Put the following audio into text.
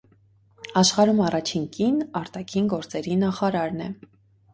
Աշխարհում առաջին կին արտաքին գործերի նախարարն է։